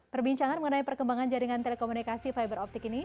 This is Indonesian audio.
perbincangan mengenai perkembangan jaringan telekomunikasi fiber optik ini